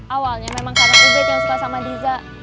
awalnya memang karena ubed yang suka sama diza